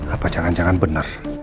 apa jangan jangan bener